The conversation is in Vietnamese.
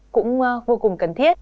cũng vô cùng cần thiết